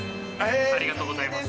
ありがとうございます。